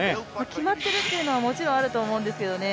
決まっているというのはもちろんあると思うんですけどね。